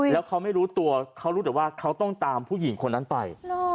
แล้วเขาไม่รู้ตัวเขารู้แต่ว่าเขาต้องตามผู้หญิงคนนั้นไป